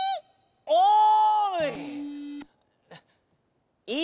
おい！